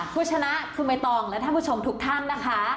ผู้ชนะคือมายตองท่านผู้ชมถูกท่านนะคะ